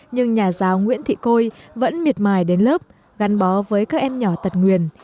nhưng nhà giáo nguyễn thị côi vẫn miệt mài đến lớp gắn bó với các em nhỏ tật nguyền